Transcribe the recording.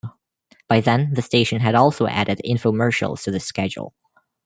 By then, the station had also added infomercials to the schedule.